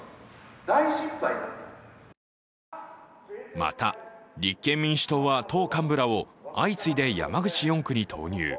また、立憲民主党は党幹部らを相次いで山口４区に投入。